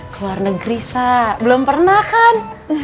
ke luar negeri sa belum pernah kan